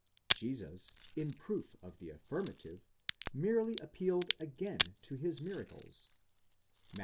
"Jesus, in proof of the affirmative, merely appealed again to his miracles (Matt.